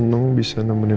oh yang itu sudah dipilih ya